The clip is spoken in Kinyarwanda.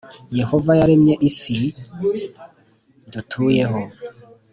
yehova yaremye iyi si dutuyeho